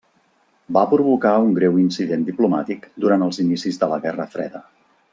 Va provocar un greu incident diplomàtic durant els inicis de la Guerra freda.